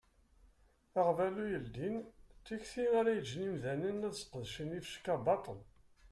Aɣbalu yeldin d tikti ara yeǧǧen imdanen ad sqedcen ifecka baṭel.